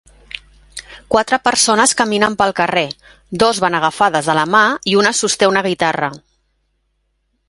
Quatre persones caminen pel carrer; dos van agafades de la mà i una sosté una guitarra.